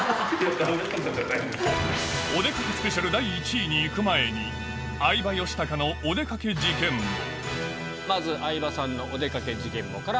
お出かけスペシャル第１位に行く前にまず相葉さんのお出かけ事件簿からまいります。